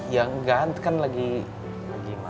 ya enggak kan lagi makan